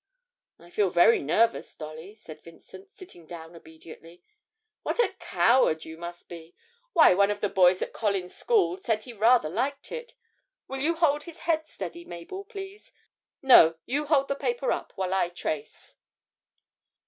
'I feel very nervous, Dolly,' said Vincent, sitting down obediently. 'What a coward you must be! Why, one of the boys at Colin's school said he rather liked it. Will you hold his head steady, Mabel, please? no, you hold the paper up while I trace.'